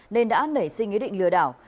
nên đã nảy sinh ý định lừa đảo